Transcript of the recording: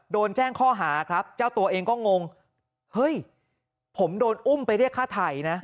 โดนแจ้งข้อหาครับเจ้าตัวเองก็งงเฮ้ยผมโดนอุ้มไปเรียกฆ่าไถ่นะ